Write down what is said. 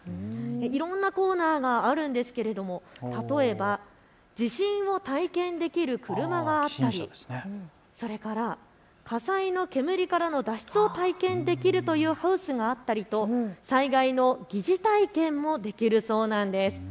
いろんなコーナーがあるんですが例えば地震を体験できる車があったりそれから火災の煙からの脱出を経験できるハウスがあったり災害の疑似体験もできるそうなんです。